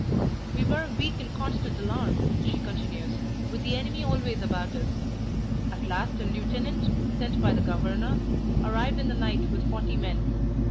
"We were a week in constant alarm," she continues, "with the enemy always about us. At last a lieutenant, sent by the governor, arrived in the night with forty men.